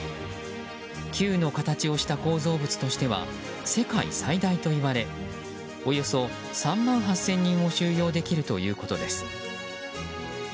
球の形をした構造物としては世界最大といわれおよそ３万８０００人を収容できるということです。